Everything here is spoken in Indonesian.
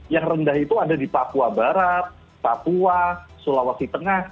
yang rendah itu ada di papua barat papua sulawesi tengah